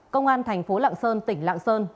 công an thành phố lạng sơn tỉnh lạng sơn